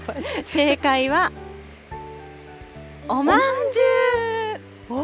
正解はおまんじゅう。